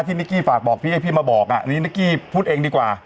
นิกกี้ฝากบอกพี่ให้พี่มาบอกอันนี้นิกกี้พูดเองดีกว่า